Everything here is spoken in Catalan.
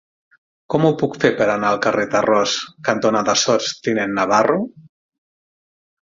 Com ho puc fer per anar al carrer Tarròs cantonada Sots tinent Navarro?